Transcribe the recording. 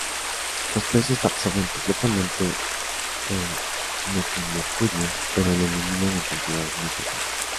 Los peces absorben completamente el metilmercurio, pero lo eliminan en cantidades muy pequeñas.